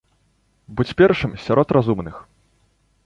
Будзь першым сярод разумных!